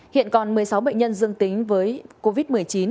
hiện còn một mươi sáu bệnh nhân dương tính với covid một mươi chín